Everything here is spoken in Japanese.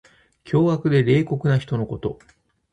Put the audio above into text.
凶悪で冷酷な人のこと。